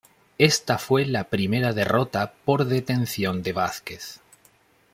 Esta fue la primera derrota por detención de Vázquez.